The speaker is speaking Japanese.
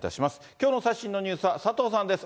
きょうの最新のニュースは佐藤さんです。